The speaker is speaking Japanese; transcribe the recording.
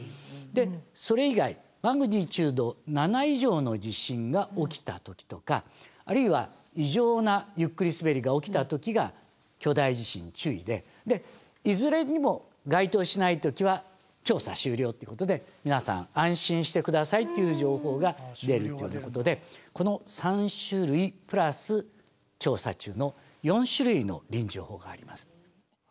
それ以外Ｍ７以上の地震が起きた時とかあるいは異常なゆっくりすべりが起きた時が巨大地震注意でいずれにも該当しない時は調査終了っていうことで皆さん安心して下さいっていう情報が出るということでこの３種類プラス調査中の４種類の臨時情報があります。